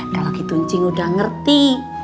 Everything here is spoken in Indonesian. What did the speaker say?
kalau gitu cing udah ngerti